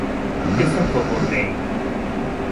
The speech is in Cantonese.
一生服務你